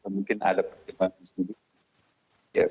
mungkin ada pertimbangan sendiri